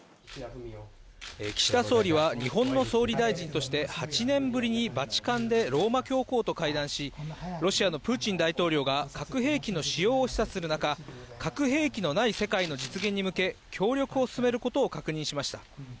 岸田総理は日本の総理大臣として８年ぶりにバチカンでローマ教皇と会談し、ロシアのプーチン大統領が核兵器の使用を示唆する中、核兵器のない世界の実現に向け協力を進めることを確認しました。